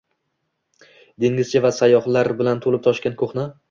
dengizchi va sayyohlar bilan toʻlib-toshgan koʻhna